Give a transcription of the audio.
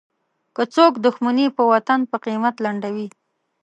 که څوک دوښمني په وطن په قیمت لنډوي.